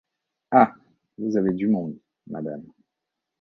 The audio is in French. Ah, vous avez du monde, madame !